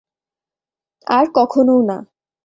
আর কখনোও না।